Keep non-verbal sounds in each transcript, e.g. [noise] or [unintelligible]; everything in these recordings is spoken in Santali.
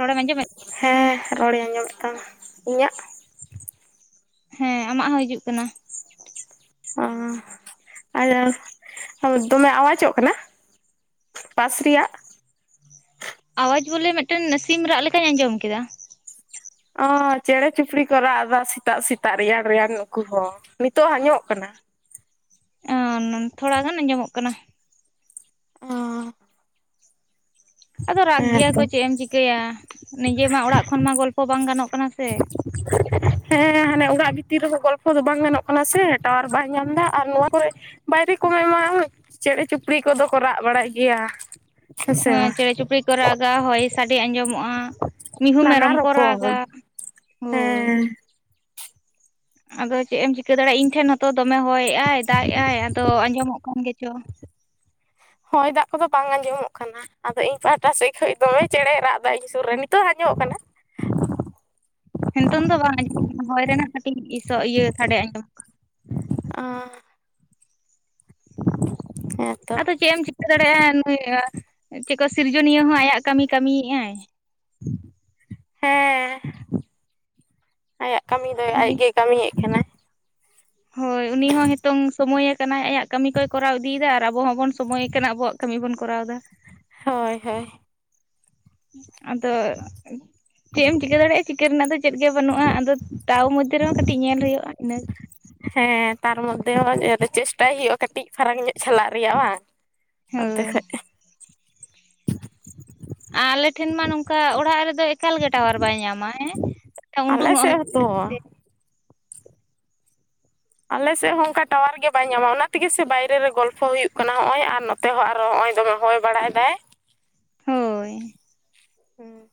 ᱨᱚᱲ ᱮᱢ ᱟᱸᱡᱚᱢᱮᱜᱼᱼ ᱦᱮᱸ ᱨᱚᱲᱤᱧ ᱟᱸᱡᱚᱢᱮᱫ ᱛᱟᱢᱟ, ᱤᱧᱟᱹᱜ? ᱦᱮᱸ ᱟᱢᱟᱜ ᱦᱚᱸ ᱦᱤᱡᱩᱜ ᱠᱟᱱᱟ᱾ ᱚ ᱟᱫᱚ ᱫᱚᱢᱮ ᱟᱣᱟᱡᱚᱜ ᱠᱟᱱᱟ? ᱯᱟᱥ ᱨᱮᱭᱟᱜ? ᱟᱣᱟᱡ ᱵᱚᱞᱮ ᱢᱤᱫᱴᱮᱱ ᱥᱤᱢ ᱨᱟᱜ ᱞᱮᱠᱟᱧ ᱟᱸᱡᱚᱢ ᱠᱮᱫᱟ᱾ ᱚ ᱪᱮᱬᱮ ᱪᱩᱯᱲᱤ ᱠᱚ ᱨᱟᱜ ᱮᱫᱟ ᱥᱮᱛᱟᱜ ᱥᱮᱛᱟᱜ ᱨᱮᱭᱟᱲ ᱨᱮᱭᱟᱱ ᱩᱠᱩ ᱦᱚᱸ, ᱱᱤᱛᱚᱜ ᱦᱚᱸ ᱟᱸᱡᱚᱢᱚᱜ ᱠᱟᱱᱟ? ᱛᱷᱚᱲᱟ ᱜᱟᱱ ᱟᱸᱡᱚᱢᱚᱜ ᱠᱟᱱᱟ᱾ ᱚᱻ ᱟᱫᱚ ᱨᱟᱜ ᱜᱮᱭᱟ ᱦᱮᱸᱛᱚ ᱠᱚ ᱪᱮᱫ ᱮᱢ ᱪᱤᱠᱟᱹᱭᱟ ᱱᱤᱡᱮ ᱢᱟ ᱚᱲᱟᱜ ᱠᱷᱚᱱ ᱢᱟ ᱜᱚᱞᱯᱚ ᱵᱟᱝ ᱜᱟᱱᱚᱜ ᱠᱟᱱᱟ ᱥᱮ᱾ ᱦᱮᱸ ᱦᱟᱱᱮ ᱚᱲᱟᱜ ᱵᱷᱤᱛᱤᱨ ᱨᱮᱦᱚᱸ ᱜᱚᱞᱯᱷᱚ ᱫᱚ ᱵᱟᱝ ᱜᱟᱱᱚᱜ ᱠᱟᱱᱟ ᱥᱮ ᱴᱟᱣᱟᱨ ᱵᱟᱭ ᱧᱟᱢ ᱮᱫᱟ ᱟᱨ ᱱᱚᱣᱟ ᱠᱚᱨᱮᱜ ᱵᱟᱭᱨᱮ ᱠᱚᱢᱟᱢᱟ ᱪᱮᱬᱮ ᱪᱩᱯᱲᱤ ᱠᱚᱫᱚ ᱠᱚ ᱨᱟᱜ ᱵᱟᱲᱟᱭ ᱜᱮᱭᱟ᱾ ᱦᱮᱸᱥᱮ ᱦᱮᱸ ᱵᱟᱝ ᱪᱮᱬᱮ ᱪᱩᱯᱲᱤ ᱠᱚ ᱨᱟᱜᱟ ᱦᱚᱭ ᱥᱟᱰᱮ ᱟᱸᱡᱚᱢᱚᱜᱼᱟ᱾ ᱢᱤᱦᱩ ᱱᱟᱱᱟ ᱢᱮᱨᱚᱢ ᱠᱚ ᱨᱟᱜᱟ ᱨᱚᱠᱚᱢ ᱦᱳᱭ ᱦᱮᱸ ᱟᱫᱚ ᱪᱮᱫ ᱮᱢ ᱪᱤᱠᱟᱹ ᱫᱟᱲᱮᱭᱟᱜᱼᱟ᱾ ᱤᱧ ᱴᱷᱮᱱ ᱦᱚᱸᱛᱚ ᱫᱚᱢᱮ ᱦᱚᱭᱮᱜᱼᱟᱭ ᱫᱟᱜ ᱮ ᱟᱭ ᱟᱫᱚ ᱟᱸᱡᱚᱢᱚᱜ ᱠᱟᱱ ᱜᱮ ᱪᱚ ᱦᱚᱭ ᱫᱟᱜ ᱠᱚᱫᱚ ᱵᱟᱝ ᱟᱸᱡᱚᱢᱚᱜ ᱠᱟᱱᱟ᱾ ᱟᱫᱚ ᱤᱧ ᱯᱟᱦᱴᱟ ᱥᱮᱫ ᱠᱷᱚᱡ ᱫᱚ ᱫᱚᱢᱮ ᱪᱮᱬᱮᱭ ᱨᱟᱜ ᱮᱫᱟ ᱤᱧ ᱥᱩᱨ ᱨᱮ, ᱱᱤᱛᱚᱜ ᱦᱚᱸ ᱟᱸᱡᱚᱢᱚᱜ ᱠᱟᱱᱟ᱾ ᱱᱤᱛᱚᱝ ᱫᱚ ᱵᱟᱝ ᱟᱸᱡᱚᱢ ᱠᱟᱱᱟ ᱦᱚᱭ ᱨᱮᱱᱟᱜ ᱠᱟᱹᱴᱤᱡ ᱤᱥ ᱤᱭᱟᱹ ᱥᱟᱰᱮ ᱟᱸᱡᱚᱢᱼᱟ ᱟᱨ ᱦᱮᱸ ᱟᱫᱚ ᱪᱮᱫ ᱮᱢ ᱪᱤᱠᱟᱹ ᱫᱟᱲᱮᱭᱟᱜᱼᱟ᱾ ᱱᱩᱭ ᱟ ᱪᱮᱫ ᱠᱚ ᱥᱤᱨᱡᱚᱱᱤᱭᱟᱹ ᱦᱚᱸ ᱟᱭᱟᱜ ᱠᱟᱹᱢᱤᱭ ᱠᱟᱹᱢᱤᱭᱮᱫᱼᱟᱭ᱾ ᱦᱮᱸ ᱟᱭᱟᱜ ᱠᱟᱹᱢᱤ ᱫᱚᱭ ᱩᱱᱤ ᱟᱡᱜᱮ ᱠᱟᱹᱢᱤᱭᱮᱫ ᱠᱟᱱᱟ᱾ ᱦᱳᱭ ᱩᱱᱤ ᱦᱚᱸ ᱱᱤᱛᱚᱝ ᱥᱚᱢᱚᱭ ᱮᱫ ᱠᱟᱱᱟᱭ ᱟᱭᱟᱜ ᱠᱟᱹᱢᱤ ᱠᱚᱭ ᱠᱚᱨᱟᱣ ᱤᱫᱤᱭᱮᱫᱟ ᱟᱨ ᱟᱵᱚ ᱦᱚᱸᱵᱚᱱ ᱥᱚᱢᱚᱭ ᱠᱟᱱᱟ ᱟᱵᱚᱣᱟᱜ ᱠᱟᱹᱢᱤ ᱵᱚᱱ ᱠᱚᱨᱟᱣ ᱮᱫᱟ᱾ ᱦᱳᱭ ᱦᱳᱭ ᱟᱫᱚ ᱪᱮᱫ ᱮᱢ ᱪᱤᱠᱟᱹ ᱫᱟᱲᱮᱭᱟᱜᱼᱟ᱾ ᱪᱤᱠᱟᱹ ᱨᱮᱱᱟᱜ ᱫᱚ ᱪᱮᱫ ᱜᱮ ᱵᱟᱹᱱᱩᱜᱼᱟ ᱟᱫᱚ ᱛᱟᱣ ᱢᱚᱫᱽᱫᱷᱮ ᱨᱮᱦᱚᱸ ᱠᱟᱹᱴᱤᱡ ᱧᱮᱞ ᱦᱩᱭᱩᱜᱼᱟ ᱤᱱᱟᱹ ᱦᱮᱸ ᱛᱟᱨ ᱢᱚᱫᱽᱫᱷᱮ ᱦᱚᱸ ᱪᱮᱥᱴᱟᱭ ᱦᱩᱭᱩᱜᱼᱟ ᱠᱟᱹᱴᱤᱡ ᱯᱷᱟᱨᱟᱠ ᱧᱚᱜ ᱪᱟᱞᱟᱜ ᱨᱮᱭᱟᱜ ᱵᱟᱝ ᱟᱱᱛᱮ ᱦᱳᱭ ᱠᱷᱚᱡ ᱟᱞᱮ ᱴᱷᱮᱱ ᱢᱟ ᱱᱚᱝᱠᱟ ᱚᱲᱟᱜ ᱨᱮᱫᱚ ᱮᱠᱟᱞᱜᱮ ᱴᱟᱣᱟᱨ ᱵᱟᱭ ᱧᱟᱢᱟᱭ ᱦᱮᱸ ᱟᱞᱮ ᱩᱰᱩᱝ-ᱚᱜ ᱥᱮᱫ ᱦᱩᱭᱩᱜ ᱦᱚᱸᱛᱚ ᱟᱞᱮᱥᱮᱫ ᱦᱚᱸ ᱚᱱᱠᱟ ᱴᱟᱣᱟᱨ ᱜᱮ ᱵᱟᱭ ᱧᱟᱢᱟ ᱚᱱᱟ ᱛᱮᱜᱮᱥᱮ ᱵᱟᱭᱨᱮ ᱨᱮ ᱜᱚᱞᱯᱷᱚ ᱦᱩᱭᱩᱜ ᱠᱟᱱᱟ ᱦᱚᱸᱜ-ᱚᱭ ᱟᱨ ᱱᱚ ᱛᱮᱦᱚᱸ ᱟᱨᱚ ᱦᱚᱸᱜᱭᱚᱭ ᱫᱚᱢᱮ ᱦᱚᱭ ᱵᱟᱲᱟᱭᱫᱟᱭ᱾ ᱦᱳᱭ ᱦᱮᱸ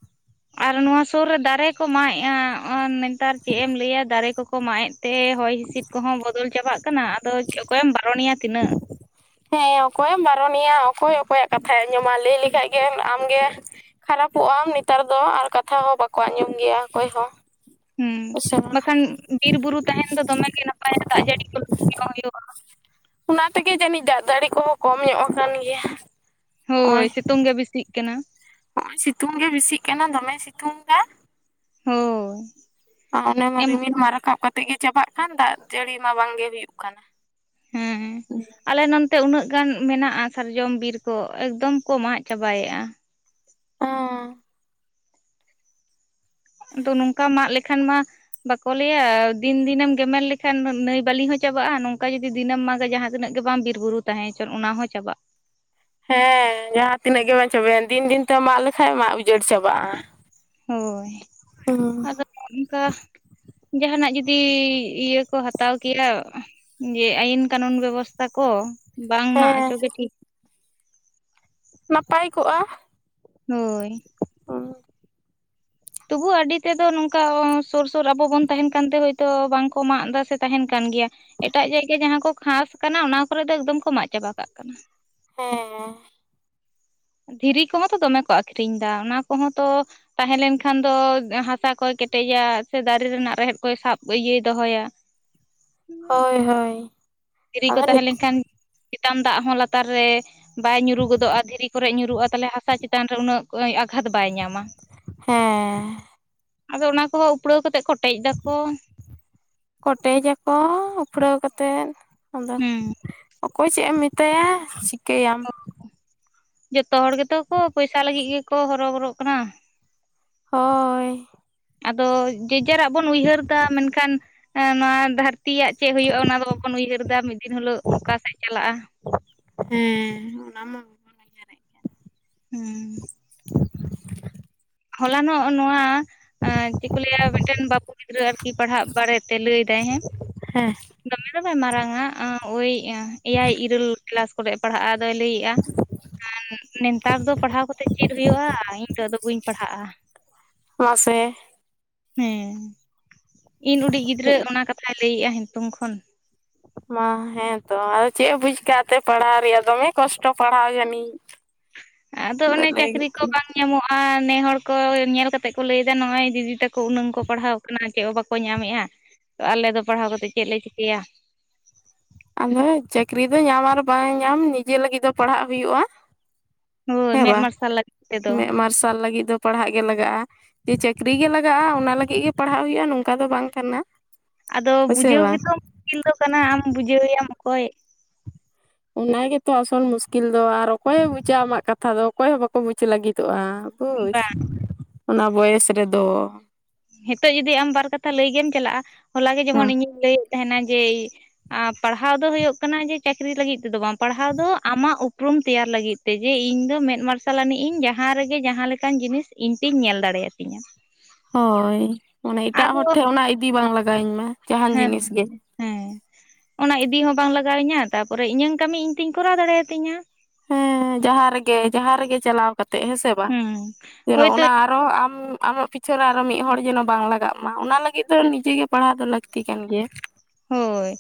ᱟᱨ ᱱᱚᱣᱟ ᱥᱩᱨ ᱨᱮ ᱫᱟᱨᱮ ᱠᱚ ᱢᱟᱜᱮ-ᱟ ᱟᱨ ᱱᱮᱛᱟᱨ ᱪᱮᱫ ᱮᱢ ᱞᱟᱹᱭᱟ ᱫᱟᱨᱮ ᱠᱚ ᱠᱚ ᱢᱟᱜ-ᱮᱫ ᱛᱮ ᱦᱚᱭ ᱦᱤᱸᱥᱤᱫ ᱠᱚᱦᱚᱸ ᱵᱚᱫᱚᱞ ᱪᱟᱵᱟᱜ ᱠᱟᱱᱟ᱾ ᱟᱫᱚ ᱚᱠᱚᱭᱮᱢ ᱵᱟᱨᱚᱱᱮᱭᱟ ᱛᱤᱱᱟᱹᱜ᱾ ᱦᱮᱸ ᱚᱠᱚᱭᱮᱢ ᱵᱟᱨᱚᱱᱮᱭᱟ ᱚᱠᱚᱭ ᱚᱠᱚᱭᱟᱜ ᱠᱟᱛᱷᱟᱭ ᱟᱸᱡᱚᱢᱟ ᱞᱟᱹᱭ ᱞᱮᱠᱷᱟᱡ ᱜᱮ ᱟᱢᱜᱮ ᱠᱷᱟᱨᱟᱯᱚᱜᱼᱟᱢ ᱱᱮᱛᱟᱨ ᱫᱚ ᱟᱨ ᱠᱟᱛᱷᱟ ᱦᱚᱸ ᱵᱟᱠᱚ ᱟᱸᱡᱚᱢ ᱜᱮᱭᱟ ᱚᱠᱚᱭ ᱦᱚᱸ᱾ ᱦᱮᱸ ᱦᱮᱸᱥᱮ ᱵᱟᱝ ᱵᱟᱠᱷᱟᱱ ᱵᱤᱨ ᱵᱩᱨᱩ ᱛᱟᱦᱮᱱ ᱫᱚ ᱫᱚᱢᱮ ᱜᱮ ᱱᱟᱯᱟᱭᱟ ᱫᱟᱜ ᱡᱟᱹᱲᱤ [inaudible] ᱦᱩᱭᱩᱜᱼᱟ᱾ ᱚᱱᱟ ᱛᱮᱜᱮ ᱡᱟᱹᱱᱤᱡ ᱫᱟᱜ ᱫᱟᱹᱲᱤ ᱠᱚᱦᱚᱸ ᱠᱚᱢ ᱧᱚᱜ ᱟᱠᱟᱱ ᱜᱮᱭᱟ᱾ ᱦᱳᱭ ᱥᱤᱛᱳᱝ ᱜᱮ ᱵᱮᱥᱤᱜ ᱠᱟᱱᱟ᱾ ᱱᱚᱜᱼᱚᱭ ᱥᱤᱛᱩᱝ ᱜᱮ ᱵᱤᱥᱤᱜ ᱠᱟᱱᱟ ᱫᱚᱢᱮ ᱥᱤᱛᱩᱝ ᱫᱟ᱾ ᱦᱳᱭ ᱚᱱᱮᱢᱟ ᱮᱢ ᱨᱤᱢᱤᱞ ᱢᱟ ᱨᱟᱠᱟᱵ ᱠᱟᱛᱮᱜ ᱜᱮ ᱪᱟᱵᱟᱜ ᱠᱟᱱ ᱫᱟᱜ ᱡᱟᱹᱲᱤ ᱢᱟ ᱵᱟᱝᱜᱮ ᱦᱩᱭᱩᱜ ᱠᱟᱱᱟ᱾ ᱦᱮᱸ [inaudible] ᱟᱞᱮ ᱱᱚᱱᱛᱮ ᱩᱱᱟᱹᱜ ᱜᱟᱱ ᱢᱮᱱᱟᱜᱼᱟ, ᱥᱟᱨᱡᱚᱢ ᱵᱤᱨ ᱠᱚ ᱮᱠᱫᱚᱢ ᱠᱚ ᱢᱟᱜ ᱪᱟᱵᱟᱭᱮᱫᱼᱟ᱾ ᱚᱻ ᱟᱫᱚ ᱱᱚᱝᱠᱟ ᱢᱟᱜ ᱞᱮᱠᱷᱟᱱ ᱢᱟ ᱵᱟᱠᱚ ᱞᱟᱹᱭᱟ ᱫᱤᱱ ᱫᱤᱱᱮᱢ ᱜᱮᱢᱮᱨ ᱞᱮᱠᱷᱟᱱ ᱱᱟᱹᱭ ᱵᱟᱹᱞᱤ ᱦᱚᱸ ᱪᱟᱵᱟᱜᱼᱟ, ᱱᱚᱝᱠᱟ ᱡᱩᱫᱤ ᱫᱤᱱᱮᱢ ᱢᱟᱜᱟ ᱡᱟᱦᱟᱸ ᱛᱤᱱᱟᱹᱜ ᱜᱮ ᱵᱟᱝ ᱵᱤᱨ ᱵᱩᱨᱩ ᱛᱟᱦᱮᱸ ᱦᱚᱪᱚᱱ ᱚᱱᱟ ᱦᱚᱸ ᱪᱟᱵᱟᱜ ᱦᱮᱸ ᱡᱟᱦᱟᱸ ᱛᱤᱱᱟᱹᱜ ᱜᱮ ᱵᱟᱝ ᱪᱟᱵᱟᱭᱮᱱ ᱫᱤᱱ ᱫᱤᱱ ᱛᱮ ᱢᱟᱜ ᱞᱮᱠᱷᱟᱡ ᱢᱟᱜ ᱩᱡᱟᱹᱲ ᱪᱟᱵᱟᱜᱼᱟ᱾ ᱦᱳᱭ ᱦᱩᱸ ᱟᱫᱚ ᱚᱱᱠᱟ ᱡᱟᱦᱟᱸᱱᱟᱜ ᱡᱩᱫᱤ ᱤᱭᱟᱹ ᱠᱚ ᱦᱟᱛᱟᱣ ᱠᱮᱭᱟ᱾ ᱡᱮ ᱟᱹᱭᱤᱱ ᱠᱟᱱᱩᱱ ᱵᱮᱵᱚᱥᱛᱷᱟ ᱠᱚ ᱵᱟᱝ ᱢᱟᱜ ᱦᱮᱸ ᱚᱪᱚ ᱜᱮ ᱴᱷᱤᱠ ᱱᱟᱯᱟᱭ ᱠᱚᱜᱼᱟ᱾ ᱦᱳᱭ ᱦᱩᱸ ᱛᱚᱵᱩ ᱟᱰᱤ ᱛᱮᱫᱚ ᱱᱚᱝᱠᱟ ᱥᱩᱨ ᱥᱩᱨ ᱟᱵᱚ ᱵᱚᱱ ᱛᱟᱦᱮᱱ ᱠᱟᱱᱛᱮ ᱦᱭᱛᱚ ᱵᱟᱝᱠᱚ ᱢᱟᱜ ᱫᱟ ᱥᱮ ᱛᱟᱦᱮᱱ ᱠᱟᱱ ᱜᱮᱭᱟ᱾ ᱮᱴᱟᱜ ᱡᱟᱭᱜᱟ ᱡᱟᱦᱟᱸ ᱠᱚ ᱠᱷᱟᱥ ᱠᱟᱱᱟ ᱚᱱᱟ ᱠᱚᱨᱮᱜ ᱫᱚ ᱮᱠᱫᱚᱢ ᱠᱚ ᱢᱟᱜ ᱪᱟᱵᱟ ᱠᱟᱜ ᱠᱟᱱᱟ᱾ ᱦᱮᱸᱻᱦᱮᱸ ᱫᱷᱤᱨᱤ ᱠᱚᱦᱚᱸ ᱛᱚ ᱫᱚᱢᱮ ᱠᱚ ᱟᱠᱷᱨᱤᱧ ᱫᱟ ᱚᱱᱟ ᱠᱚᱦᱚᱸ ᱛᱚ ᱛᱟᱦᱮᱸ ᱞᱮᱱᱠᱷᱟᱱ ᱫᱚ ᱦᱟᱥᱟ ᱠᱚᱭ ᱠᱮᱴᱮᱡᱟ ᱥᱮ ᱫᱟᱨᱮ ᱨᱮᱱᱟᱜ ᱨᱮᱦᱮᱫ ᱠᱚᱭ ᱥᱟᱵ ᱤᱭᱟᱹᱭ ᱫᱚᱦᱚᱭᱟ᱾ ᱦᱳᱭ ᱦᱳᱭ᱾ ᱤ ᱠᱚ ᱟᱫᱚ ᱱᱤᱛ ᱛᱟᱦᱮᱸ ᱞᱮᱱᱠᱷᱟᱱ ᱪᱮᱛᱟᱱ ᱫᱟᱜ ᱦᱚᱸ ᱞᱟᱛᱟᱨ ᱨᱮ ᱵᱟᱭ ᱧᱩᱨᱩ ᱜᱚᱫᱚᱜᱼᱟ ᱫᱷᱤᱨᱤ ᱠᱚᱨᱮᱜ ᱧᱩᱨᱩᱼᱟ ᱛᱟᱞᱦᱮ ᱦᱟᱥᱟ ᱪᱮᱛᱟᱱ ᱨᱮ ᱩᱱᱟᱹᱜ ᱟᱜᱷᱟᱛ ᱵᱟᱭ ᱧᱟᱢᱟ᱾ ᱦᱮᱸᱻ ᱟᱫᱚ ᱚᱱᱟ ᱠᱚᱸᱦᱚ ᱩᱯᱲᱟᱹᱣ ᱠᱟᱛᱮᱫ ᱠᱚᱴᱮᱡ ᱫᱟᱠᱚ ᱠᱚᱴᱮᱡᱽᱟᱠᱚ ᱩᱯᱲᱟᱹᱣ ᱠᱟᱛᱮᱫ ᱟᱫᱚ ᱦᱩᱸ ᱚᱠᱚᱭ ᱪᱮᱫ ᱮᱢ ᱢᱮᱛᱟᱭᱟ ᱪᱤᱠᱟᱹᱭᱟᱢ ᱡᱚᱛᱚ ᱦᱚᱲ ᱜᱮᱛᱚ ᱠᱚ ᱯᱚᱭᱥᱟ ᱞᱟᱹᱜᱤᱫ ᱜᱮᱠᱚ ᱦᱚᱨᱚᱵᱚᱨᱚᱜ ᱠᱟᱱᱟ᱾ ᱦᱳᱭ ᱟᱫᱚ ᱡᱮᱡᱟᱨᱟᱜ ᱵᱚᱱ ᱩᱭᱦᱟᱹᱨ ᱫᱟ ᱢᱮᱱᱠᱷᱟᱱ ᱮ ᱱᱚᱣᱟ ᱫᱟᱹᱨᱛᱤᱭᱟᱜ ᱪᱮᱫ ᱦᱳᱭᱳᱜᱼᱟ ᱚᱱᱟ ᱫᱚ ᱵᱟᱵᱚᱱ ᱩᱭᱦᱟᱹᱨ ᱫᱟ ᱢᱤᱫ ᱫᱤᱱ ᱦᱤᱞᱳᱜ ᱚᱠᱟᱥᱮᱫ ᱪᱟᱞᱟᱜᱼᱟ ᱦᱮᱸ ᱚᱱᱟᱢᱟ ᱦᱩᱸ᱾ ᱦᱚᱞᱟ ᱱᱚᱜ ᱱᱚᱣᱟ ᱮ ᱪᱮᱫ ᱠᱚ ᱞᱟᱹᱭᱟ ᱢᱤᱫᱴᱮᱱ ᱵᱟᱹᱵᱩ ᱜᱤᱫᱽᱨᱟᱹ ᱟᱨᱠᱤ ᱯᱟᱲᱦᱟᱜ ᱵᱟᱨᱮᱛᱮ ᱞᱟᱹᱭ ᱫᱟᱭ ᱦᱮᱸ ᱦᱮᱸ ᱫᱚᱢᱮ ᱫᱚ ᱵᱟᱭ ᱢᱟᱨᱟᱝᱟ ᱳᱭ ᱮᱭᱟᱭ ᱤᱨᱟᱹᱞ ᱠᱞᱟᱥ ᱠᱚᱨᱮ ᱯᱟᱲᱦᱟᱜᱼᱟ ᱟᱫᱚᱭ ᱞᱟᱹᱭᱮᱜᱼᱟ ᱟᱨ ᱱᱮᱛᱟᱨ ᱫᱚ ᱯᱟᱲᱦᱟᱣ ᱠᱟᱛᱮᱜ ᱪᱮᱫ ᱦᱩᱭᱩᱜᱭᱼᱟ ᱤᱧ ᱫᱚ ᱟᱫᱚ ᱵᱟᱹᱧ ᱯᱟᱲᱦᱟᱜᱼᱟ᱾ ᱢᱟᱥᱮ ᱦᱮᱸ ᱤᱧ ᱩᱰᱤᱡ ᱜᱤᱫᱽᱨᱟᱹ ᱚᱱᱟ ᱠᱟᱛᱷᱟᱭ ᱞᱟᱹᱭᱮᱜᱼᱟ ᱦᱮᱛᱚᱝ ᱠᱷᱚᱱ᱾ ᱢᱟ ᱦᱮᱸ ᱛᱚ ᱟᱫᱚ ᱪᱮᱫ ᱮ ᱵᱩᱡ ᱠᱟᱜ ᱛᱮ ᱯᱟᱲᱦᱟᱣ ᱨᱮᱭᱟᱜ ᱫᱚᱢᱮ ᱠᱚᱥᱴᱚ ᱯᱟᱲᱦᱟᱣ ᱡᱟᱹᱱᱤ [unintelligible] ᱟᱫᱚ ᱚᱱᱮ ᱪᱟᱹᱠᱨᱤ ᱠᱚ ᱵᱟᱝ ᱧᱟᱢᱚᱜᱼᱟ ᱱᱮ ᱦᱚᱲ ᱠᱚ ᱧᱮᱞ ᱠᱟᱛᱮ ᱠᱚ ᱞᱟᱹᱭ ᱫᱟ ᱱᱚᱜᱼᱚᱭ ᱫᱤᱫᱤ ᱛᱟᱠᱚ ᱩᱱᱟᱹᱝ ᱠᱚ ᱯᱟᱲᱦᱟᱣ ᱠᱟᱱᱟ ᱪᱮᱫ ᱦᱚᱸ ᱵᱟᱠᱚ ᱧᱟᱢᱮᱜ-ᱟ ᱛᱚ ᱟᱞᱮ ᱫᱚ ᱯᱟᱲᱦᱟᱣ ᱠᱟᱛᱮᱫ ᱪᱮᱫ ᱞᱮ ᱪᱤᱠᱟᱹᱭᱟ? ᱟᱫᱚ ᱪᱟᱹᱠᱨᱤ ᱫᱚ ᱧᱟᱢ ᱟᱨ ᱵᱟᱝ ᱧᱟᱢ ᱱᱤᱡᱮ ᱞᱟᱹᱜᱤᱫ ᱫᱚ ᱯᱟᱲᱦᱟᱜ ᱦᱩᱭᱩᱜᱼᱟ᱾ ᱦᱳᱭ ᱦᱮᱸ ᱢᱮᱫ ᱵᱟ ᱢᱟᱨᱥᱟᱞ ᱞᱟᱹᱜᱤᱫ ᱛᱮᱫᱚ ᱢᱮᱫ ᱢᱟᱨᱥᱟᱞ ᱞᱟᱹᱜᱤᱫ ᱫᱚ ᱯᱟᱲᱦᱟᱜ ᱜᱮ ᱞᱟᱜᱟᱜᱼᱟ᱾ ᱡᱮ ᱪᱟᱹᱠᱨᱤ ᱜᱮ ᱞᱟᱜᱟᱜᱼᱟ ᱚᱱᱟ ᱞᱟᱹᱜᱤ ᱜᱮ ᱯᱟᱲᱦᱟᱜ ᱦᱩᱭᱩᱜᱼᱟ ᱱᱚᱝᱠᱟ ᱫᱚ ᱵᱟᱝ ᱠᱟᱱᱟ᱾ ᱟᱫᱚ ᱦᱳᱭᱥᱮ ᱵᱩᱡᱷᱟᱹᱣ ᱵᱟᱝ ᱜᱮᱛᱚ ᱠᱤᱞ ᱫᱚ ᱠᱟᱱᱟ ᱟᱢ ᱵᱩᱡᱷᱟᱹᱣ ᱮᱭᱟᱢ ᱚᱠᱚᱭ, ᱚᱱᱟ ᱜᱮᱛᱚ ᱟᱥᱚᱞ ᱢᱩᱥᱠᱤᱞ ᱫᱚ ᱟᱨ ᱚᱠᱚᱭ ᱮ ᱵᱩᱡᱟ ᱟᱢᱟᱜ ᱠᱟᱛᱷᱟ ᱫᱚ ᱚᱠᱚᱭ ᱦᱚᱸ ᱵᱟᱠᱚ ᱵᱩᱡᱽ ᱞᱟᱹᱜᱤᱫᱚᱜᱼᱟ᱾ ᱵᱩᱪ ᱚᱱᱟ ᱵᱚᱭᱮᱥ ᱨᱮᱫᱚ᱾ ᱦᱮᱛᱚᱜ ᱡᱩᱫᱤ ᱟᱢ ᱵᱟᱨ ᱠᱟᱛᱷᱟ ᱞᱟᱹᱭ ᱜᱮᱢ ᱪᱟᱞᱟᱜᱼᱟ ᱦᱚᱞᱟ ᱜᱮ ᱡᱮᱢᱚᱱ ᱤᱧᱤᱧ ᱞᱟᱹᱭᱮᱫ ᱛᱟᱦᱮᱱᱟ ᱡᱮ ᱟ ᱯᱟᱲᱦᱟᱣ ᱫᱚ ᱦᱳᱭᱜ ᱠᱟᱱᱟ ᱡᱮ ᱪᱟᱹᱠᱨᱤ ᱞᱟᱹᱜᱤᱫ ᱛᱮ ᱫᱚ ᱵᱟᱝ ᱯᱟᱲᱦᱟᱣ ᱫᱚ ᱟᱢᱟᱜ ᱩᱯᱨᱩᱢ ᱛᱮᱭᱟᱨ ᱞᱟᱹᱜᱤᱫ ᱛᱮᱡᱮ ᱤᱧ ᱫᱚ ᱢᱮᱫ ᱢᱟᱨᱥᱟᱞ ᱟᱹᱱᱤᱡ ᱤᱧ ᱡᱟᱦᱟᱸ ᱨᱮᱜᱮ ᱡᱟᱦᱟᱸ ᱞᱮᱠᱟᱱ ᱡᱤᱱᱤᱥ ᱤᱧ ᱛᱤᱧ ᱧᱮᱞ ᱫᱟᱲᱮᱭᱟᱛᱤᱧᱟ᱾ ᱦᱳᱭ, ᱢᱚᱱᱮ ᱮᱴᱟᱜ ᱟᱫᱚ ᱦᱚᱲ ᱴᱷᱮᱱ ᱚᱱᱟ ᱤᱫᱤ ᱵᱟᱝ ᱞᱟᱜᱟᱣᱤᱧᱢᱟ ᱡᱟᱦᱟᱱ ᱦᱮᱸ ᱡᱤᱱᱤᱥ ᱜᱮ᱾ ᱦᱮᱸ, ᱚᱱᱟ ᱤᱫᱤ ᱦᱚᱸ ᱵᱟᱝ ᱞᱟᱜᱟᱣᱤᱧᱟᱹ ᱛᱟᱯᱚᱨᱮ ᱤᱧᱟᱹᱟᱜ ᱠᱟᱹᱢᱤ ᱤᱧ ᱛᱤᱧ ᱠᱚᱨᱟᱣ ᱫᱟᱲᱮᱭᱟᱛᱤᱧᱟ᱾ ᱦᱮᱸ ᱡᱟᱦᱟᱸ ᱨᱮᱜᱮ ᱡᱟᱦᱟᱸ ᱨᱮᱜᱮ ᱪᱟᱞᱟᱣ ᱠᱟᱛᱮᱜ ᱦᱮᱸ ᱥᱮ ᱵᱟᱝ ᱦᱩᱸ ᱡᱮᱱᱚ ᱦᱳᱭᱛᱳ ᱚᱱᱟ ᱟᱨᱦᱚ ᱟᱢ ᱟᱢᱟᱜ ᱯᱤᱪᱷᱟᱹ ᱨᱮ ᱟᱨᱚ ᱢᱤᱫ ᱦᱚᱲ ᱡᱮᱱᱚ ᱵᱟᱝ ᱞᱟᱜᱟᱜ ᱢᱟ ᱚᱱᱟ ᱞᱟᱹᱜᱤᱫ ᱫᱚ ᱱᱤᱡᱮ ᱜᱮ ᱯᱟᱲᱦᱟᱣ ᱫᱚ ᱞᱟᱹᱠᱛᱤ ᱠᱟᱱ ᱜᱮᱭᱟ᱾ ᱦᱳᱭ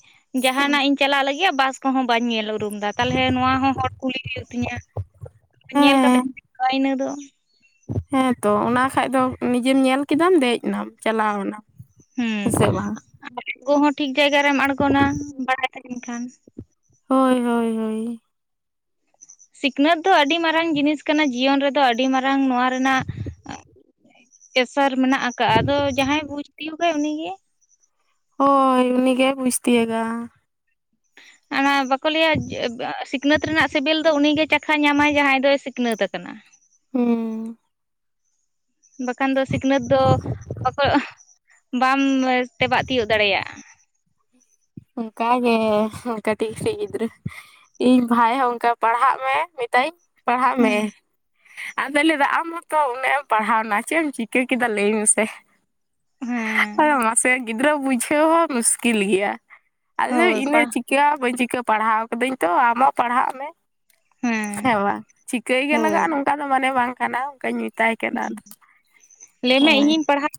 ᱡᱟᱦᱟᱱᱟᱜ ᱤᱧ ᱪᱟᱞᱟᱜ ᱞᱟᱹᱜᱤᱫ ᱵᱟᱥ ᱠᱚᱦᱚᱸ ᱵᱟᱹᱧ ᱧᱮᱞ ᱩᱨᱩᱢ ᱫᱟ ᱛᱟᱞᱦᱮ ᱱᱚᱣᱟ ᱦᱚᱸ ᱦᱚᱲ ᱠᱩᱞᱤ ᱦᱩᱭᱩᱜ ᱛᱤᱧᱟᱹ᱾ ᱧᱮᱞ ᱠᱟᱛᱮ [unintelligible] ᱦᱮᱸ ᱠᱟᱜ- ᱟ ᱤᱱᱟᱹ ᱫᱚ ᱦᱮᱸᱛᱚ ᱚᱱᱟ ᱠᱷᱟᱡ ᱫᱚ ᱱᱤᱡᱮᱢ ᱧᱮᱞ ᱠᱮᱫᱟᱢ ᱫᱮᱡ ᱮᱱᱟᱢ ᱪᱟᱞᱟᱣᱱᱟᱢ ᱦᱮᱸ ᱥᱮ ᱵᱟ᱾ ᱟᱜᱚ ᱦᱚᱸ ᱴᱷᱤᱠ ᱡᱟᱭᱜᱟ ᱨᱮᱢ ᱟᱬᱜᱚᱱᱟ ᱵᱟᱲᱟᱭ ᱛᱟᱦᱮᱱ ᱠᱷᱟᱱ᱾ ᱦᱳᱭ ᱦᱳᱭ ᱦᱳᱭ᱾ ᱥᱤᱠᱷᱱᱟᱹᱛ ᱫᱚ ᱟᱹᱰᱤ ᱢᱟᱨᱟᱝ ᱡᱤᱱᱤᱥ ᱠᱟᱱᱟ ᱡᱤᱭᱚᱱ ᱨᱮᱫᱚ ᱟᱹᱰᱤ ᱢᱟᱨᱟᱝ ᱱᱚᱣᱟ ᱨᱮᱱᱟᱜ ᱯᱮᱥᱟᱨ ᱢᱮᱱᱟᱜ ᱟᱠᱟᱜᱼᱟ, ᱟᱫᱚ ᱡᱟᱦᱟᱸᱭ ᱵᱩᱡᱽ ᱛᱤᱭ ᱠᱟᱭ ᱩᱱᱤᱜᱮ ᱦᱳᱭ ᱩᱱᱤᱜᱮ ᱵᱩᱡᱽ ᱛᱤᱭᱟᱜᱼᱟ᱾ ᱚᱱᱟ ᱵᱟᱠᱚ ᱞᱟᱹᱭᱟ ᱡᱮ ᱵᱮᱸ ᱥᱤᱠᱷᱱᱟᱹᱛ ᱨᱮᱱᱟᱜ ᱥᱮᱵᱮᱞ ᱫᱚ ᱩᱱᱤ ᱜᱮ ᱪᱟᱠᱷᱟ ᱧᱟᱢᱟᱭ ᱡᱟᱦᱟᱸᱭ ᱫᱚᱭ ᱥᱤᱠᱷᱱᱟᱹᱛ ᱟᱠᱟᱱᱟ᱾ ᱦᱩᱸ ᱵᱟᱠᱷᱟᱱ ᱫᱚ ᱥᱤᱠᱷᱱᱟᱹᱛ ᱫᱚ ᱵᱟᱠᱚ ᱵᱟᱢ ᱛᱮᱵᱟᱜ ᱛᱤᱭᱚᱜ ᱫᱟᱲᱮᱭᱟᱜᱼᱟ᱾ ᱚᱝᱠᱟ ᱜᱮ ᱠᱟᱴᱤᱡ ᱠᱟᱴᱤᱡ ᱜᱤᱫᱽᱨᱟᱹ ᱤᱧ ᱵᱷᱟᱭ ᱦᱚᱸ ᱚᱝᱠᱟ ᱯᱟᱲᱦᱟᱜ ᱢᱮ ᱢᱮᱛᱟᱭᱟᱧ ᱯᱟᱲᱦᱟᱜ ᱢᱮ᱾ ᱦᱩᱸ ᱟᱫᱚᱭ ᱞᱟᱹᱭᱫᱟ ᱟᱢ ᱦᱚᱸᱛᱚ ᱩᱱᱟᱹᱜ ᱮᱢ ᱯᱟᱲᱦᱟᱣᱱᱟ ᱪᱮᱜ ᱮᱢ ᱪᱤᱠᱟᱹ ᱠᱮᱫᱟ ᱞᱟᱹᱭ ᱢᱮᱥᱮ᱾ ᱦᱮᱸ ᱟ ᱢᱟᱥᱮ ᱜᱤᱫᱽᱨᱟᱹ ᱵᱩᱡᱷᱟᱹᱣ ᱦᱚᱸ ᱢᱩᱥᱠᱤᱞ ᱜᱮᱭᱟ᱾ ᱟᱫᱚ ᱦᱳᱭ ᱤᱧᱹ ᱫᱚ ᱯᱟᱲ ᱪᱤᱠᱟᱹ ᱵᱟᱹᱧ ᱪᱤᱠᱟᱹ ᱯᱟᱲᱦᱟᱣ ᱠᱟᱹᱫᱟᱹᱧ ᱛᱚ ᱟᱢᱦᱚᱸ ᱯᱟᱲᱦᱟᱜ ᱢᱮ᱾ ᱦᱮᱸ ᱥᱮ ᱵᱟᱝ, ᱪᱤᱠᱟᱹᱭ ᱜᱮ ᱦᱳᱭ ᱞᱟᱜᱟᱜᱼᱟ ᱱᱚᱝᱠᱟ ᱫᱚ ᱢᱟᱱᱮ ᱵᱟᱝ ᱠᱟᱱᱟ ᱚᱝᱠᱟᱧ ᱢᱮᱛᱟᱭ ᱠᱟᱱᱟ ᱦᱩᱸ ᱟᱫᱚ ᱞᱟᱹᱭᱢᱮ ᱦᱳᱭ ᱤᱧᱤᱧ ᱯᱟᱲᱦᱟᱜ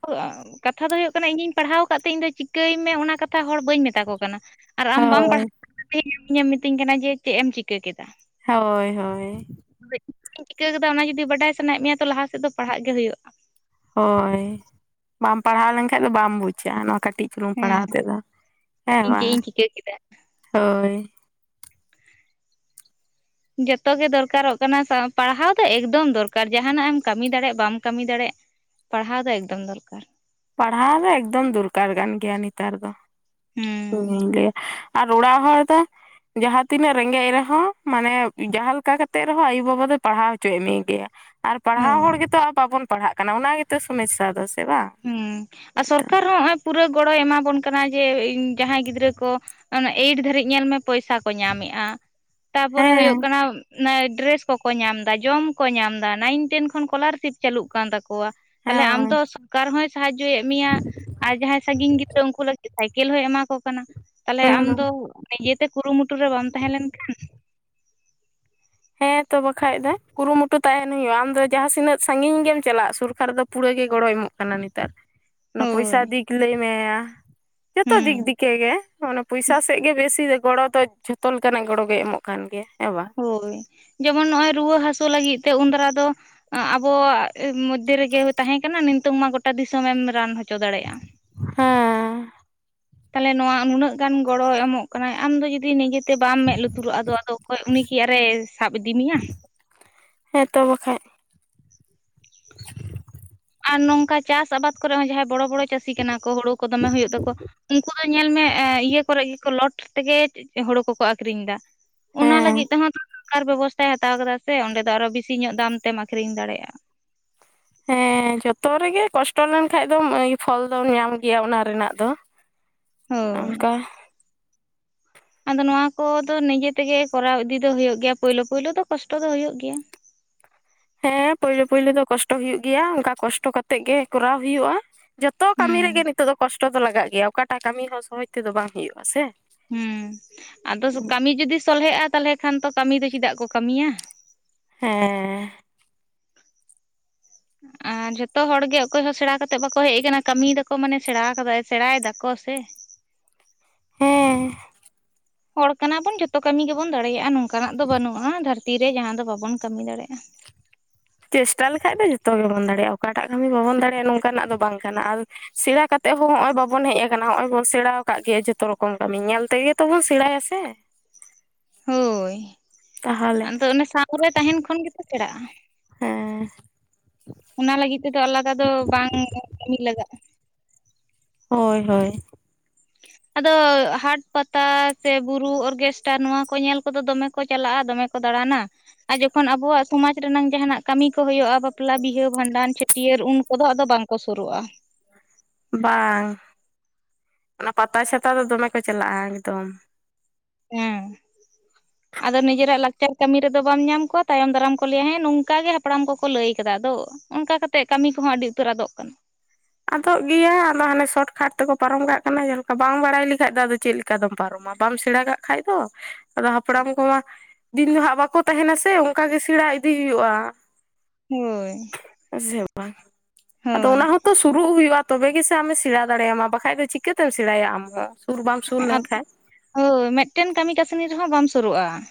ᱠᱟᱛᱷᱟ ᱫᱚ ᱦᱩᱭᱩᱜ ᱠᱟᱱᱟ ᱤᱧᱤᱧ ᱯᱟᱲᱦᱟᱣ ᱠᱟᱜ ᱛᱮ ᱤᱧ ᱫᱚ ᱪᱤᱠᱟᱹᱭ ᱢᱮ ᱚᱱᱟ ᱠᱟᱛᱷᱟ ᱦᱚᱲ ᱵᱟᱹᱧ ᱢᱮᱛᱟ ᱠᱚ ᱠᱟᱱᱟ᱾ ᱟᱨ ᱟᱢ ᱵᱟᱢ ᱦᱳᱭ ᱯᱟᱲᱦᱟᱜ [unintelligible] ᱤᱧᱮᱢ ᱢᱤᱛᱟᱹᱧ ᱠᱟᱱᱟ ᱡᱮ ᱪᱮᱜ ᱮᱢ ᱪᱤᱠᱟᱹ ᱠᱮᱫᱟ? ᱦᱳᱭ ᱦᱳᱭ ᱤᱧ ᱪᱤᱠᱟᱹᱣ ᱠᱮᱫᱟ ᱚᱱᱟ ᱡᱩᱫᱤ ᱵᱟᱰᱟᱭ ᱥᱟᱱᱟᱭᱮᱜ ᱢᱮᱭᱟ ᱛᱚ ᱞᱟᱦᱟ ᱥᱮᱫ ᱫᱚ ᱯᱟᱲᱦᱟᱜ ᱜᱮ ᱦᱩᱭᱩᱜᱼᱟ᱾ ᱦᱳᱭ ᱵᱟᱢ ᱯᱟᱲᱦᱟᱣ ᱞᱮᱱᱠᱷᱟᱡ ᱫᱚ ᱵᱟᱢ ᱵᱩᱡᱟ, ᱱᱚᱣᱟ ᱠᱟᱹᱴᱤᱡ ᱪᱩᱞᱩᱝ ᱦᱮᱸ ᱯᱟᱲᱦᱟᱣ ᱛᱮᱫᱚ ᱦᱮᱸ ᱤᱧ ᱪᱮᱫ ᱵᱟᱝ ᱤᱧ ᱪᱤᱠᱟᱹ ᱠᱮᱫᱟ ᱦᱳᱭ᱾ ᱡᱚᱛᱚᱜ ᱜᱮ ᱫᱚᱨᱠᱟᱨᱚᱜ ᱠᱟᱱᱟ ᱯᱟᱲᱦᱟᱣ ᱫᱚ ᱮᱠᱫᱚᱢ ᱫᱚᱨᱠᱟᱨ ᱡᱟᱦᱟᱱᱟᱜ ᱮᱢ ᱠᱟᱹᱢᱤ ᱫᱟᱲᱮᱜ ᱵᱟᱢ ᱠᱟᱹᱢᱤ ᱫᱟᱲᱮᱜ ᱯᱟᱲᱦᱟᱣ ᱫᱚ ᱮᱠᱫᱚᱢ ᱫᱚᱨᱠᱟᱨ᱾ ᱯᱟᱲᱦᱟᱣ ᱫᱚ ᱮᱠᱫᱚᱢ ᱫᱚᱨᱠᱟᱨ ᱠᱟᱱ ᱜᱮᱭᱟ ᱱᱮᱛᱟᱨ ᱫᱚ ᱦᱩᱸ ᱤᱧᱤᱧ ᱞᱟᱹᱭᱟ ᱟᱨ ᱚᱲᱟᱜ ᱦᱚᱭ ᱫᱚ ᱡᱟᱦᱟᱸ ᱛᱤᱱᱟᱹᱜ ᱨᱮᱸᱜᱮᱡ ᱨᱮᱦᱚᱸ ᱢᱟᱱᱮ ᱡᱟᱦᱟᱸ ᱞᱮᱠᱟ ᱠᱟᱛᱮᱜ ᱨᱮᱦᱚᱸ ᱟᱭᱳ ᱵᱟᱵᱟ ᱫᱚᱭ ᱯᱟᱲᱦᱟᱣ ᱦᱚᱪᱚᱭ ᱢᱮ ᱜᱮᱭᱟ᱾ ᱟᱨ ᱯᱟᱲᱦᱟᱣ ᱦᱳᱭ ᱦᱚᱲ ᱜᱮᱛᱚ ᱵᱟᱵᱚᱱ ᱯᱟᱲᱦᱟᱜ ᱠᱟᱱᱟ ᱚᱱᱟ ᱜᱮᱛᱚ ᱥᱚᱢᱮᱥᱥᱟ ᱫᱚ ᱥᱮ ᱵᱟᱝ᱾ ᱦᱩᱸ ᱟᱨ ᱥᱚᱨᱠᱟᱨ ᱦᱚᱸ ᱦᱚᱸᱜᱼᱚᱭ ᱯᱩᱨᱟᱹ ᱜᱚᱲᱚᱭ ᱮᱢᱟᱵᱚᱱ ᱠᱟᱱᱟ ᱡᱮ ᱡᱟᱦᱟᱸᱭ ᱜᱤᱫᱽᱨᱟᱹ ᱠᱚ ᱮᱭᱤᱴ ᱫᱷᱵᱤᱡ ᱧᱮᱞ ᱢᱮ ᱯᱚᱭᱥᱟ ᱠᱚ ᱧᱟᱢᱮᱜᱼᱟ, ᱛᱟᱯᱚᱨᱮ ᱦᱩᱭᱩᱜ ᱦᱮᱸ ᱠᱟᱱᱟ ᱚᱱᱮ ᱰᱨᱮᱥ ᱠᱚᱠᱚ ᱧᱟᱢᱫᱟ, ᱡᱚᱢ ᱠᱚ ᱧᱟᱢᱫᱟ, ᱱᱟᱭᱤᱱ ᱴᱮᱱ ᱠᱷᱚᱱ ᱠᱚᱞᱟᱨᱥᱤᱯ ᱪᱟᱹᱞᱩᱜ ᱠᱟᱱ ᱛᱟᱠᱚᱣᱟ ᱛᱟᱦᱞᱮ ᱟᱢ ᱦᱳᱭ ᱛᱚ ᱠᱟᱨ ᱦᱚᱸᱭ ᱥᱟᱦᱟᱡᱚᱭ ᱢᱮᱭᱟ, ᱟᱨ ᱡᱟᱦᱟᱸᱭ ᱥᱟᱺᱜᱤᱧ ᱜᱤᱫᱽᱨᱟᱹ ᱩᱱᱠᱩ ᱞᱟᱹᱜᱤᱫ ᱥᱟᱭᱠᱮᱞ ᱦᱚᱸᱭ ᱮᱢᱟ ᱠᱚ ᱠᱟᱱᱟ, ᱛᱟᱦᱞᱮ ᱟᱢ ᱦᱩᱸ ᱫᱚ ᱱᱤᱡᱮᱛᱮ ᱠᱩᱨᱩᱢᱩᱴᱩ ᱨᱮ ᱵᱟᱢ ᱛᱟᱦᱮᱸ ᱞᱮᱱ ᱠᱷᱟᱱ ᱦᱮᱸ ᱛᱚ ᱵᱟᱠᱷᱟᱡ ᱫᱚ ᱠᱩᱨᱩᱢᱩᱴᱩ ᱛᱟᱦᱮᱱ ᱦᱩᱭᱩᱜᱼᱟ, ᱟᱢ ᱫᱚ ᱡᱟᱦᱟᱸ ᱥᱤᱱᱟᱹᱜ ᱥᱟᱺᱜᱤᱧ ᱜᱮᱢ ᱪᱟᱞᱟᱜ ᱥᱚᱨᱠᱟᱨ ᱫᱚ ᱯᱩᱨᱟᱹᱜ ᱜᱮ ᱜᱚᱲᱚᱭ ᱮᱢᱚᱜ ᱠᱟᱱᱟ ᱱᱮᱛᱟᱨ ᱚᱱᱟ ᱯᱚᱭᱥᱟ ᱦᱳᱭ ᱫᱤᱠ ᱞᱟᱹᱭ ᱢᱮ ᱡᱚᱛᱚ ᱫᱤᱠ ᱦᱩᱸ ᱫᱮᱠᱮ ᱜᱮ ᱚᱱᱟ ᱯᱚᱭᱥᱟ ᱥᱮᱜ ᱜᱮ ᱵᱮᱥᱤ ᱜᱚᱲᱚ ᱫᱚ ᱡᱷᱚᱛᱚ ᱞᱮᱠᱟᱱᱟᱜ ᱜᱚᱲᱚ ᱜᱮ ᱮᱢᱚᱜ ᱠᱟᱱ ᱜᱮᱭᱟ ᱦᱮᱸ ᱵᱟ᱾ ᱦᱳᱭ ᱡᱮᱢᱚᱱ ᱱᱚᱜᱼᱚᱭ ᱨᱩᱣᱟᱹ ᱦᱟᱥᱩ ᱞᱟᱹᱜᱤᱫ ᱛᱮ ᱩᱱᱫᱟᱨᱟ ᱫᱚ ᱟᱸ ᱟᱵᱚ ᱢᱚᱫᱽᱫᱷᱮ ᱨᱮᱜᱮ ᱛᱟᱦᱮᱸ ᱠᱟᱱᱟ, ᱱᱤᱛᱚᱝ ᱢᱟ ᱜᱚᱴᱟ ᱫᱤᱥᱚᱢᱮ ᱮᱢ ᱨᱟᱱ ᱦᱚ ᱪᱚ ᱫᱟᱲᱮᱜᱼᱟ᱾ ᱦᱮᱸ ᱛᱟᱞᱮ ᱱᱚᱣᱟ ᱱᱩᱱᱟᱹᱜ ᱜᱟᱱ ᱜᱚᱲᱚᱭ ᱮᱢᱚᱜ ᱠᱟᱱᱟᱭ ᱟᱢᱫᱚ ᱡᱩᱫᱤ ᱱᱤᱡᱮᱛᱮ ᱵᱟᱢ ᱢᱮᱸᱫ ᱞᱩᱛᱩᱨᱚᱜᱼᱟ ᱟᱫᱚ ᱟᱫᱚ ᱚᱠᱚᱭ ᱩᱱᱤ ᱠᱤ ᱟᱨᱮ ᱥᱟᱵ ᱤᱫᱤ ᱢᱮᱭᱟ᱾ ᱦᱮᱸ ᱛᱚ ᱵᱟᱠᱷᱟᱡ [inaudible] ᱟᱨ ᱱᱚᱝᱠᱟ ᱪᱟᱥ ᱟᱵᱟᱫᱽ ᱠᱚᱨᱮ ᱦᱚᱸ ᱡᱟᱦᱟᱸᱭ ᱵᱚᱲᱚ ᱵᱚᱲᱚ ᱪᱟᱹᱥᱤ ᱠᱟᱱᱟ ᱠᱚ ᱦᱳᱲᱳ ᱠᱚ ᱫᱚᱢᱮ ᱦᱳᱭᱳᱜ ᱛᱟᱠᱚ᱾ ᱩᱝᱠᱩ ᱫᱚ ᱧᱮᱞᱢ ᱮᱸ ᱤᱭᱟᱹ ᱠᱚᱨᱮᱜ ᱜᱮᱠᱚ ᱞᱚᱴ ᱛᱮᱜᱮ ᱦᱩᱲᱩ ᱠᱚᱠᱚ ᱟᱠᱷᱨᱤᱧ ᱫᱟ᱾ ᱚᱱᱟ ᱦᱮᱸ ᱞᱟᱹᱜᱤᱫᱤᱫ ᱛᱮᱦᱚᱸ ᱥᱚᱨᱠᱟᱨ ᱵᱮᱵᱚᱥᱛᱷᱟᱭ ᱦᱟᱛᱟᱣ ᱠᱟᱫᱟ ᱥᱮ ᱚᱸᱰᱮ ᱫᱚ ᱟᱨᱚ ᱵᱤᱥᱤ ᱧᱚᱜ ᱫᱟᱢ ᱛᱮᱢ ᱟᱹᱠᱷᱨᱤᱧ ᱫᱟᱲᱮᱜᱼᱟ᱾ ᱦᱮᱸ ᱡᱚᱛᱚ ᱨᱮᱜᱮ ᱠᱚᱥᱴᱚ ᱞᱮᱱᱠᱷᱟᱱᱡ ᱫᱚᱢ ᱯᱷᱚᱞ ᱫᱚᱢ ᱧᱟᱢ ᱜᱮᱭᱟ ᱚᱱᱟ ᱨᱮᱱᱟᱜ ᱫᱚ᱾ ᱦᱳᱭ ᱚᱝᱠᱟ ᱟᱫᱚ ᱱᱚᱣᱟ ᱠᱚᱫᱚ ᱱᱤᱡᱮ ᱛᱮᱜᱮ ᱠᱚᱨᱟᱣ ᱤᱫᱤ ᱫᱚ ᱦᱩᱭᱩᱜ ᱜᱮᱭᱟ ᱯᱳᱭᱞᱳ ᱯᱳᱭᱞᱳ ᱫᱚ ᱠᱚᱥᱴᱚ ᱫᱚ ᱦᱳᱭᱳᱜ ᱜᱮᱭᱟ᱾ ᱦᱮᱸ ᱯᱳᱭᱞᱳ ᱯᱩᱭᱞᱩ ᱫᱚ ᱠᱚᱥᱴᱚ ᱦᱩᱭᱩᱜ ᱜᱮᱭᱟ ᱚᱱᱠᱟ ᱠᱚᱥᱴᱚ ᱠᱟᱛᱮᱜ ᱜᱮ ᱠᱚᱨᱟᱣ ᱦᱩᱭᱩᱜᱼᱟ ᱾ ᱡᱚᱛᱚ ᱠᱟᱹᱢᱤ ᱦᱩᱸ ᱨᱮᱜᱮ ᱱᱤᱛᱚᱜ ᱫᱚ ᱠᱚᱥᱴᱚ ᱫᱚ ᱞᱟᱜᱟᱜ ᱜᱮᱭᱟ ᱚᱠᱟᱴᱟᱜ ᱠᱟᱹᱢᱤ ᱦᱚᱸ ᱥᱚᱦᱚᱡᱽ ᱛᱮᱫᱚ ᱵᱟᱝ ᱦᱩᱭᱩᱜᱼᱟ ᱥᱮ ᱾ ᱦᱩᱸ ᱟᱫᱚ ᱠᱟᱹᱢᱤ ᱡᱩᱚᱫᱤ ᱥᱚᱞᱦᱮᱜ ᱟ ᱛᱟᱦᱚᱞᱮ ᱠᱷᱟᱱ ᱛᱚ ᱠᱟᱹᱢᱤ ᱫᱚ ᱪᱮᱫᱟᱜ ᱠᱚ ᱠᱟᱹᱢᱤᱭᱟ ᱾ ᱦᱮᱸ [inaudible] ᱟᱨ ᱡᱚᱛᱚ ᱦᱚᱲ ᱜᱮ ᱚᱠᱚᱭ ᱦᱚᱸ ᱥᱮᱬᱟ ᱠᱟᱛᱮ ᱵᱟᱠᱚ ᱦᱮᱡ ᱟᱠᱟᱱᱟ, ᱠᱟᱹᱢᱤ ᱫᱠᱚ ᱢᱟᱱᱮ ᱥᱮᱬᱟ ᱟᱠᱟᱫᱟ ᱥᱮᱬᱟᱭ ᱫᱟᱠᱚ ᱥᱮᱼᱺ ᱦᱮᱸ ᱦᱚᱲ ᱠᱟᱱᱟ ᱵᱚᱱ ᱡᱷᱚᱛᱚ ᱠᱟᱹᱢᱤ ᱜᱮᱵᱚᱱ ᱫᱟᱲᱮᱭᱟᱜᱼᱟ ᱱᱚᱝᱠᱟᱱᱟᱜ ᱫᱚ ᱵᱟᱹᱱᱩᱜᱼᱟ ᱫᱷᱟᱹᱨᱛᱤ ᱨᱮ ᱡᱟᱦᱟᱸ ᱫᱚ ᱵᱟᱵᱚᱱ ᱠᱟᱹᱢᱤ ᱫᱟᱲᱮᱭᱟᱜᱼᱟ᱾ ᱪᱮᱥᱴᱟ ᱞᱮᱠᱷᱟᱡ ᱫᱚ ᱡᱚᱛᱚ ᱜᱮᱵᱚᱱ ᱫᱟᱲᱮᱭᱟᱜᱼᱟ, ᱚᱠᱟᱴᱟᱜ ᱠᱟᱹᱢᱤ ᱵᱟᱵᱚᱱ ᱫᱟᱲᱮᱭᱟᱜᱼᱟ ᱱᱚᱝᱠᱟᱱᱟᱜ ᱫᱚ ᱵᱟᱝ ᱠᱟᱱᱟ ᱟᱨᱼᱼ ᱥᱮᱬᱟ ᱠᱟᱛᱮᱜ ᱦᱚᱸ ᱱᱚᱜ ᱚᱚᱭ ᱵᱟᱵᱚᱱ ᱦᱮᱡ ᱟᱠᱟᱱᱟ ᱱᱚᱸᱜᱼ ᱚᱭ ᱵᱚᱱ ᱥᱮᱬᱟ ᱟᱠᱟᱫ ᱜᱮᱭᱟ ᱡᱚᱛᱚ ᱨᱚᱠᱚᱢ ᱠᱟᱹᱢᱤ ᱧᱮᱞ ᱛᱮᱜᱮᱼᱼ ᱚ ᱛᱚᱵᱚᱱ ᱥᱮᱬᱟᱭᱟ ᱥᱮ ᱾ ᱦᱚᱭ, ᱛᱟᱦᱚᱞᱮ ᱟᱫᱚ ᱚᱱᱮ ᱥᱟᱶᱨᱮ ᱛᱟᱦᱮᱟᱸᱱ ᱠᱷᱚᱱ ᱜᱮᱛᱚ ᱥᱮᱲᱟᱜᱼᱟ ᱾ ᱦᱮᱸ ᱚᱱᱟ ᱞᱟᱹᱜᱤᱫ ᱛᱮᱫᱚ ᱟᱞᱟᱫᱟ ᱫᱚ ᱵᱟᱝ ᱠᱟᱹᱢᱤ ᱞᱟᱜᱟᱜᱼᱟ ᱾ ᱦᱚᱭ ᱦᱚᱭ ᱟᱫᱚ ᱦᱟᱴ ᱯᱟᱛᱟ, ᱥᱮ ᱵᱩᱨᱩ ᱚᱨᱜᱮᱥᱴᱟᱨ ᱱᱚᱣᱟ ᱠᱚ ᱧᱮᱞ ᱠᱚᱫᱚ ᱫᱚᱢᱮᱼᱼ ᱠᱚ ᱪᱟᱞᱟᱜᱼᱟ ᱫᱚᱢᱮ ᱠᱚ ᱫᱟᱬᱟᱱᱟ, ᱟᱨ ᱡᱚᱠᱷᱚᱱ ᱟᱵᱚᱣᱟᱜ ᱥᱚᱢᱟᱡᱽ ᱨᱮᱱᱟᱝ ᱡᱟᱦᱟᱱᱟᱜ ᱠᱟᱢᱤ ᱠᱚ ᱦᱩᱭᱩᱜᱼᱟᱼᱼ ᱵᱟᱯᱞᱟ ᱵᱤᱦᱟᱹ ᱵᱷᱟᱸᱰᱟᱱ ᱪᱷᱟᱹᱴᱭᱟᱹᱨ ᱩᱱᱠᱚᱫᱚ ᱟᱫᱚ ᱵᱟᱝᱠᱚ ᱥᱩᱨᱩᱜᱼᱟ ᱾ ᱵᱟᱝ, ᱚᱱᱟ ᱯᱟᱛᱟ ᱪᱷᱟᱛᱟ ᱫᱚ ᱫᱚᱢᱮ ᱠᱚ ᱪᱟᱞᱟᱜᱼᱟ ᱮᱠᱫᱚᱢᱼᱼ ᱦᱮᱸ [inaudible] ᱟᱫᱚ ᱱᱤᱡᱮᱨᱟᱜ ᱞᱟᱠᱪᱟᱨ ᱠᱟᱢᱤ ᱨᱮᱫᱚ ᱵᱟᱢ ᱧᱟᱢ ᱠᱚᱣᱟ ᱛᱟᱭᱚᱢ ᱫᱟᱨᱟᱢ ᱠᱚ ᱞᱟᱹᱭᱟ ᱦᱮᱸ ᱱᱚᱝᱠᱟ ᱜᱮ ᱦᱟᱯᱲᱟᱢ ᱠᱚᱠᱚ ᱞᱟᱹᱭ ᱠᱟᱫᱟ ᱟᱫᱚᱼᱼ ᱚᱱᱠᱟ ᱠᱟᱛᱮᱜ ᱠᱟᱢᱤ ᱠᱚᱸᱦᱚᱸ ᱟᱰᱤ ᱩᱛᱟᱹᱨ ᱟᱫᱚᱜ ᱠᱟᱱᱟ ᱾ ᱟᱫᱚᱜ ᱜᱮᱭᱟ, ᱟᱫᱚ ᱦᱟᱱᱮ ᱥᱚᱴᱠᱟᱴ ᱛᱮᱠᱚ ᱯᱟᱨᱚᱢ ᱠᱟᱜ ᱠᱟᱱᱟ ᱡᱟᱸᱦᱟᱸ ᱞᱮᱠᱟ ᱵᱟᱝ ᱵᱟᱲᱟᱭ ᱞᱮᱠᱷᱟᱡ ᱫᱚ ᱟᱫᱚ ᱪᱮᱫᱼᱼ ᱪᱤᱠᱟᱹᱛᱮᱢ ᱯᱟᱨᱚᱢᱟ ᱵᱟᱢ ᱥᱮᱬᱟ ᱠᱟᱜ ᱠᱷᱟᱡ ᱫᱚ, ᱟᱫᱚ ᱦᱟᱯᱲᱟᱢ ᱠᱚᱢᱟᱼᱼ ᱫᱤᱱ ᱫᱚ ᱦᱟᱸᱜ ᱵᱟᱠᱚ ᱛᱟᱦᱮᱱᱟ ᱥᱮ ᱚᱝᱠᱟ ᱜᱮ ᱥᱮᱬᱟ ᱤᱫᱤ ᱦᱩᱭᱩᱜᱼᱟ ᱾ ᱦᱚᱭ ᱥᱮ ᱵᱟᱝ, ᱟᱫᱚ ᱚᱱᱟ ᱦᱚᱸᱼᱼ ᱥᱩᱨᱩᱜ ᱦᱩᱭᱩᱜᱼᱟ ᱛᱚᱵᱮ ᱜᱮᱥᱮ ᱟᱢ ᱮ ᱥᱮᱬᱟ ᱫᱟᱲᱮᱭᱟᱢᱟ ᱵᱟᱠᱷᱟᱡ ᱫᱚ ᱪᱤᱠᱟᱹᱛᱮᱢ ᱥᱮᱬᱟᱭᱟ ᱟᱢ ᱦᱚᱸᱼᱼ ᱥᱩᱨ ᱵᱟᱢ ᱥᱩᱨ ᱞᱮᱱᱠᱷᱟᱡᱼᱼ ᱦᱳ ᱢᱤᱫᱴᱮᱱ ᱠᱟᱢᱤ ᱠᱟᱥᱱᱤ ᱨᱮᱦᱚᱸ ᱵᱟᱢ ᱥᱩᱨᱩᱜᱼᱟ ᱾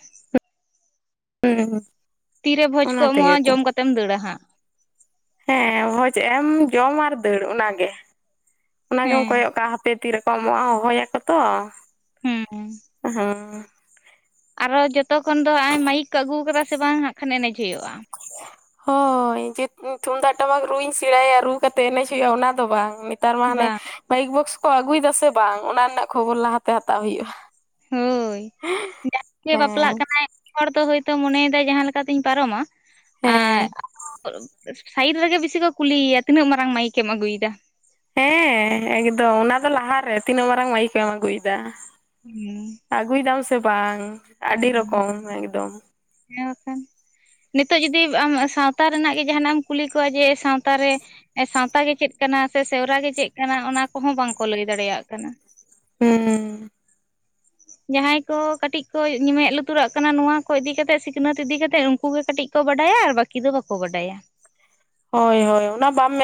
ᱦᱩᱸ ᱛᱤᱨᱮ ᱵᱷᱚᱡᱽ ᱠᱚ ᱚᱱᱟ ᱛᱮᱜᱮ ᱮᱢᱚᱜᱼᱟ ᱛᱚ ᱡᱚᱢ ᱠᱟᱛᱮᱢ ᱫᱟᱹᱲᱟ ᱦᱟᱸᱜᱼᱼ ᱦᱮᱸ ᱵᱷᱚᱡᱽ ᱮᱢ ᱡᱚᱢ ᱟᱨ ᱫᱟᱹᱲ ᱚᱱᱟᱜᱮ, ᱚᱱᱟᱜᱮᱢ ᱦᱮᱸ ᱠᱚᱭᱚᱜ ᱠᱟᱜᱼᱟ ᱦᱟᱯᱮ ᱛᱤᱨᱮᱼᱼ ᱠᱚᱢᱚᱜᱼᱟ ᱦᱚᱦᱚᱭᱟᱠᱚ ᱛᱚ, ᱦᱮᱸ ᱦᱩᱸᱼᱼ ᱟᱨᱚ ᱡᱚᱛᱚ ᱠᱷᱚᱱ ᱫᱚ ᱢᱟᱭᱤᱠ ᱠᱚ ᱟᱜᱩᱣ ᱠᱟᱫᱟ ᱥᱮ ᱵᱟᱝ ᱦᱟᱸᱜ ᱠᱷᱟᱱ ᱮᱱᱮᱡ ᱦᱩᱭᱩᱜᱼᱟ ᱾ ᱦ [inaudible] ᱦᱚᱭ, ᱡᱮ ᱛᱩᱢᱫᱟᱜ ᱴᱟᱢᱟᱠ ᱨᱩᱧ ᱥᱮᱬᱟᱭᱟ ᱨᱩ ᱠᱟᱛᱮ ᱮᱱᱮᱡ ᱦᱩᱭᱩᱜᱼᱟ ᱚᱱᱟ ᱫᱚ ᱾ ᱵᱟᱝ ᱛᱟᱨ ᱢᱟᱱᱮ ᱵᱟᱝ ᱢᱟᱭᱤᱠ ᱵᱚᱠᱥ ᱠᱚ ᱟᱜᱩᱭ ᱫᱟ ᱥᱮ ᱵᱟᱝ, ᱚᱱᱟ ᱨᱮᱱᱟᱜ ᱠᱷᱚᱵᱚᱨ ᱞᱟᱦᱟᱛᱮ ᱦᱟᱛᱟᱣ ᱦᱩᱭᱩᱜᱼᱟ᱾ ᱦᱩᱭ, ᱡᱟᱸᱦᱟᱸᱭ ᱜᱮ ᱦᱮᱸ ᱵᱟᱯᱞᱟᱜ ᱠᱟᱱᱟᱭ ᱾ ᱦᱚᱲ ᱫᱚ ᱦᱚᱭᱛᱚ ᱢᱚᱱᱮᱭᱮᱫᱟᱭ ᱡᱟᱸᱦᱟᱸ ᱞᱮᱠᱟᱛᱤᱧ ᱯᱟᱨᱚᱢᱟ ᱟᱨᱼᱼ ᱦᱮᱸ ᱥᱟᱭᱤᱰ ᱨᱮᱜᱮ ᱵᱤᱥᱤ ᱠᱚ ᱠᱩᱞᱤᱭᱭᱟ ᱛᱤᱱᱟᱹᱜ ᱢᱟᱨᱟᱝ ᱢᱟᱭᱤᱠᱮᱢ ᱟᱜᱩᱭ ᱫᱟ᱾ ᱦᱮᱸ ᱮᱠᱫᱚᱢ ᱚᱱᱟ ᱫᱚ ᱞᱟᱦᱟᱨᱮ ᱛᱤᱱᱟᱹᱜ ᱢᱟᱨᱟᱝ ᱢᱟᱭᱤᱠ ᱮᱢ ᱟᱜᱩᱭᱫᱟ ᱾ ᱦᱮᱸ [inaudible] ᱟᱜᱩᱭ ᱫᱟᱢ ᱥᱮ ᱵᱟᱝ ᱟᱰᱤ ᱨᱚᱠᱚᱢ ᱮᱠᱫᱚᱢᱼᱼ ᱦᱮᱸ ᱵᱟᱠᱷᱟᱱ [unintelligible] ᱱᱤᱛᱚᱜ ᱡᱩᱫᱤ ᱟᱢ ᱥᱟᱶᱛᱟ ᱨᱮᱱᱟᱜ ᱜᱮ ᱡᱟᱦᱟᱱᱟᱜ ᱮᱢ ᱠᱩᱞᱤ ᱠᱚᱣᱟ ᱡᱮ ᱥᱟᱶᱛᱟ ᱨᱮᱼᱼ ᱥᱟᱶᱛᱟ ᱜᱮ ᱪᱮᱫ ᱠᱟᱱᱟ ᱥᱮ ᱥᱮᱣᱨᱟ ᱜᱮ ᱪᱮᱫ ᱠᱟᱱᱟ ᱚᱱᱟ ᱠᱚᱸᱦᱚᱸ ᱵᱟᱝᱠᱚ ᱞᱟᱹᱭ ᱫᱟᱲᱮᱭᱟᱜ ᱠᱟᱱᱟ ᱾ ᱦᱩᱸ ᱡᱟᱸᱦᱟᱸᱭ ᱠᱚ ᱠᱟᱴᱤᱡᱼᱼ ᱠᱚ ᱧᱮ ᱢᱮᱫ ᱞᱩᱛᱩᱨᱟᱜ ᱠᱟᱱᱟ ᱱᱚᱣᱟ ᱠᱚ ᱤᱫᱤ ᱠᱟᱛᱮᱫ ᱥᱤᱠᱷᱱᱟᱹᱛ ᱤᱫᱤ ᱠᱟᱛᱮᱫ ᱩᱱᱠᱩ ᱜᱮ ᱠᱟᱹᱴᱤᱡ ᱠᱚ ᱵᱟᱰᱟᱭᱟ ᱟᱨ ᱵᱟᱠᱤ ᱫᱚ ᱵᱟᱠᱚ ᱵᱟᱰᱟᱭᱟ ᱾ ᱦᱳᱭ ᱦᱳᱭ ᱚᱱᱟ ᱵᱟᱢ ᱢᱮᱱ